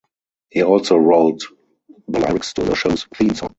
He also wrote the lyrics to the show's theme song.